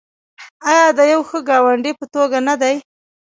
آیا د یو ښه ګاونډي په توګه نه دی؟